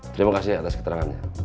terima kasih atas keterangannya